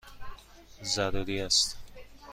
ضروری است!